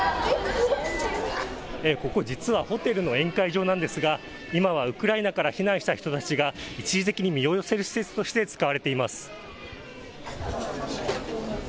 ここ実はホテルの宴会場なんですが今はウクライナから避難した人たちが一時的に身を寄せる施設として使われています。